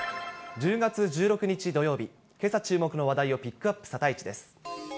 １０月１６日土曜日、けさ注目の話題をピックアップ、サタイチです。